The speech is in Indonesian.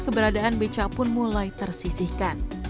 keberadaan beca pun mulai tersisihkan